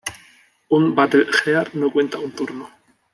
Un battle gear no cuenta un turno.